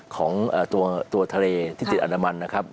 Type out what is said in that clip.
ของตัวทะเลที่ติดอันดามันนะครับ